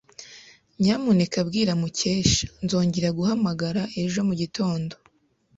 Nyamuneka bwira Mukesha nzongera guhamagara ejo mugitondo.